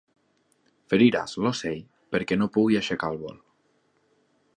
Feriràs l'ocell perquè no pugui aixecar el vol.